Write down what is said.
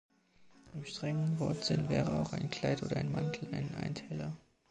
Im strengen Wortsinn wäre auch ein Kleid oder ein Mantel ein Einteiler.